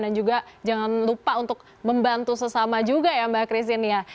dan juga jangan lupa untuk membantu sesama juga ya mbak christine ya